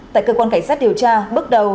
tại cơ quan cảnh sát điều tra bước đầu